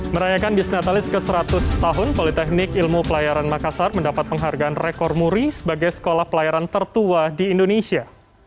merayakan bisnatalis ke seratus tahun politeknik ilmu pelayaran makassar mendapat penghargaan rekor muri sebagai sekolah pelayaran tertua di indonesia